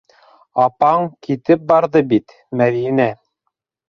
Апаң китеп барҙы бит, Мәҙинә!